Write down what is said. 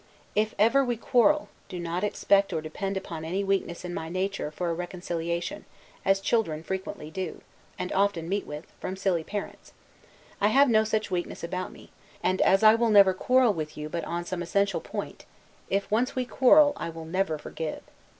If ever we quarrel, do not expect or depend upon any weakness in my nature, for a reconciliation, as children frequently do, and often meet with, from silly parents; I have no such weakness about me: and, as I will never quarrel with you but upon some essential point; if once we quarrel, I will never forgive.